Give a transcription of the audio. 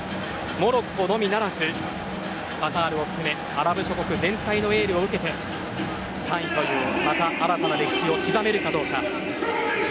モロッコのみならずカタールを含めアラブ諸国全体のエールを受けて３位というまた新たな歴史を刻めるかどうか。